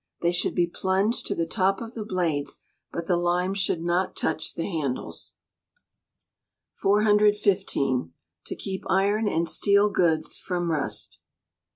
They should be plunged to the top of the blades, but the lime should not touch the handles. 415. To keep Iron and Steel Goods from Rust.